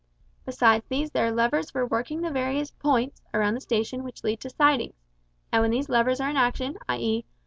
Besides these there are levers for working the various "points" around the station which lead to sidings, and when these levers are in action, i.e.